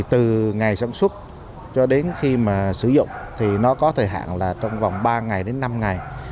từ ngày sản xuất cho đến khi mà sử dụng thì nó có thời hạn là trong vòng ba ngày đến năm ngày